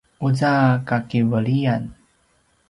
uza kakiveliyan